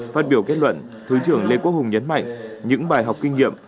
phát biểu kết luận thứ trưởng lê quốc hùng nhấn mạnh những bài học kinh nghiệm